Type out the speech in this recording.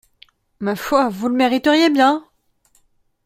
Ma foi, vous le mériteriez bien !